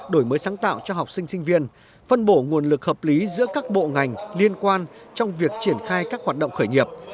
đổi mới sáng tạo cho học sinh sinh viên phân bổ nguồn lực hợp lý giữa các bộ ngành liên quan trong việc triển khai các hoạt động khởi nghiệp